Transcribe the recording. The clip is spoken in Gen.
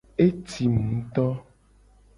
Etim ngto.